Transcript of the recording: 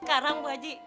sekarang bu haji